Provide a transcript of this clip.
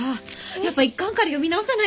やっぱ１巻から読み直さないと！